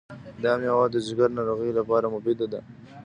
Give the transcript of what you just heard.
دا مېوه د ځیګر ناروغیو لپاره مفیده ده.